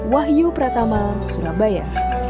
wahyu pratama surabaya